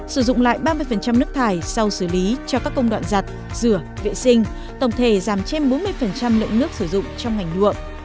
sử dụng lại ba mươi nước thải sau xử lý cho các công đoạn giặt rửa vệ sinh tổng thể giảm trên bốn mươi lượng nước sử dụng trong ngành nhuộm